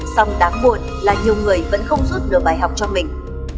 song đáng buồn là nhiều người vẫn không rút được bài học cho mình